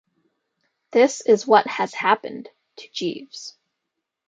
That is what has happened to Jeeves.